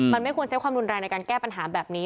มันไม่ควรใช้ความรุนแรงในการแก้ปัญหาแบบนี้